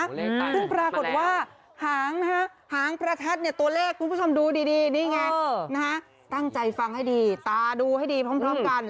ขึ้นปรากฏว่าหางตัวเลขคุณผู้ชมดูดีนี่ไงตั้งใจฟังให้ดีตาดูให้ดีพร้อมกัน